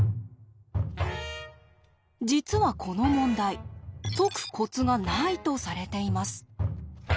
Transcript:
実はこの問題「解くコツがない」とされています。